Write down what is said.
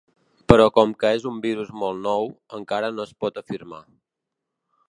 Però com que és un virus molt nou, encara no es pot afirmar.